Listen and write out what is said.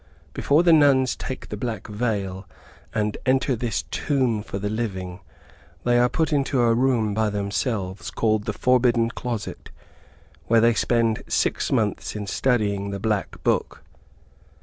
Before the nuns take the black veil, and enter this tomb for the living, they are put into a room by themselves, called the forbidden closet, where they spend six months in studying the Black Book.